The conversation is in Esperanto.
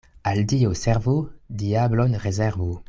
Al Dio servu, diablon rezervu.